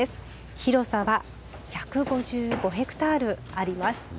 広さは１５５ヘクタールあります。